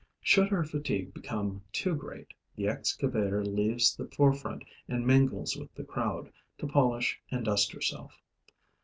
Should her fatigue become too great, the excavator leaves the forefront and mingles with the crowd, to polish and dust herself.